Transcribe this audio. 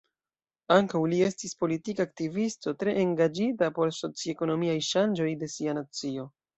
Ankaŭ li estis politika aktivisto, tre engaĝita por soci-ekonomiaj ŝanĝoj de sia nacio.